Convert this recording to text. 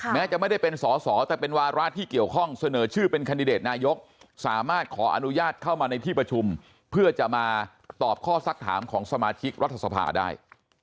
แม้จะไม่ได้เป็นสอสอแต่เป็นวาระที่เกี่ยวข้องเสนอชื่อเป็นคันดิเดตนายกสามารถขออนุญาตเข้ามาในที่ประชุมเพื่อจะมาตอบข้อสักถามของสมาชิกรัฐสภาได้